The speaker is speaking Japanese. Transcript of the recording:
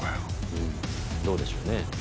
うーんどうでしょうね。